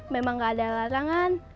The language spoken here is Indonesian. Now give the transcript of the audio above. memang gak ada larangan